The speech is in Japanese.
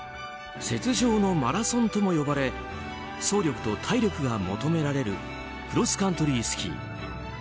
雪上のマラソンとも呼ばれ走力と体力が求められるクロスカントリースキー。